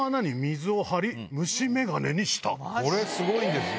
これすごいんですよ。